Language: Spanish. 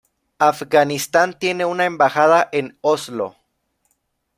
Afganistán tiene una embajada en Oslo.